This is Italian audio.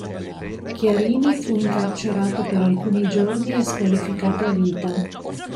Chiarini fu incarcerato per alcuni giorni e squalificato a vita.